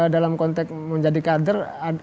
dalam konteks menjadi kader